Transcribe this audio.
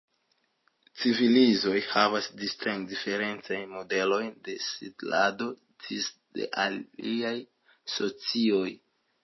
Civilizoj havas distinge diferencajn modelojn de setlado disde aliaj socioj.